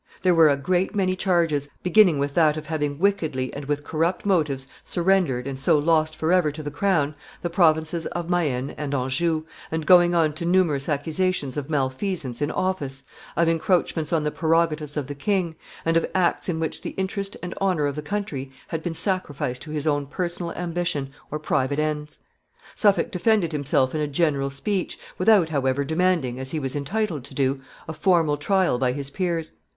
There were a great many charges, beginning with that of having wickedly and with corrupt motives surrendered, and so lost forever to the crown, the provinces of Maine and Anjou, and going on to numerous accusations of malfeasance in office, of encroachments on the prerogatives of the king, and of acts in which the interest and honor of the country had been sacrificed to his own personal ambition or private ends. Suffolk defended himself in a general speech, without, however, demanding, as he was entitled to do, a formal trial by his peers.